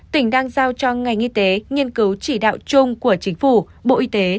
tỉnh đang giao cho ngành y tế nghiên cứu chỉ đạo chung của chính phủ bộ y tế